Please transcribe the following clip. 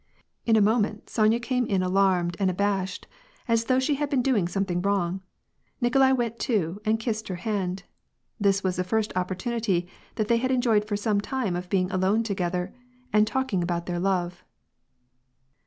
In a moment, Sonya came in alarmed and abashed, as tho i|^ she had been doing something wrong. Nikolai went to if and kissed her hand. This was the first opportunity that th f had enjoyed for some time of being alone together, and tal Tjk ing about their love.